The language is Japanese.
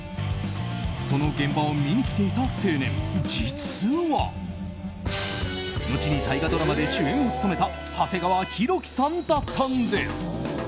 その現場を見に来ていた青年実は、後に大河ドラマで主演を務めた長谷川博己さんだったんです。